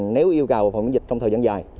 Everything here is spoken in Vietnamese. nếu yêu cầu phòng dịch trong thời gian dài